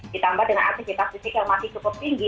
ditambah dengan aktivitas fisik yang masih cukup tinggi